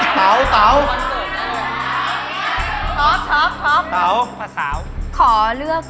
เต๋าเต๋า